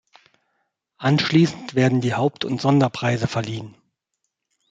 Anschliessend werden die Haupt- und Sonderpreise verliehen.